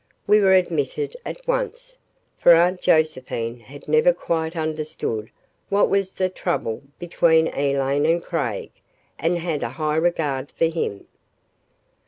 We were admitted at once, for Aunt Josephine had never quite understood what was the trouble between Elaine and Craig, and had a high regard for him.